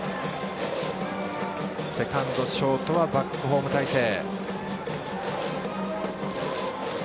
セカンド、ショートはバックホーム態勢。